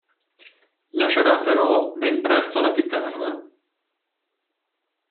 Lascerà però ben presto la chitarra.